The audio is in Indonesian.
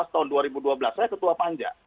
tahun dua ribu dua belas saya ketua panja